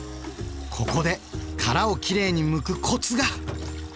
ここで殻をきれいにむくコツが！